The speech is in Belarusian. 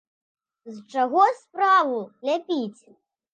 З чаго справу ляпіць?